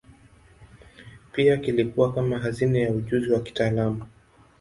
Pia kilikuwa kama hazina ya ujuzi wa kitaalamu.